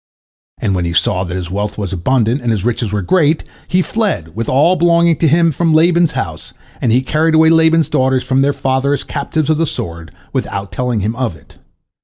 And when he saw that his wealth was abundant and his riches were great, he fled with all belonging to him from Laban's house, and he carried away Laban's daughters from their father as captives of the sword, without telling him of it.